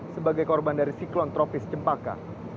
sebagai korban dari siklon tropis cempaka